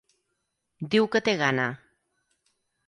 Diu que té gana.